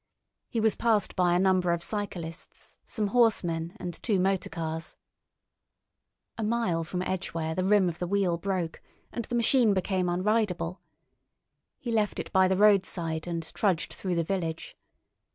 He was passed by a number of cyclists, some horsemen, and two motor cars. A mile from Edgware the rim of the wheel broke, and the machine became unridable. He left it by the roadside and trudged through the village.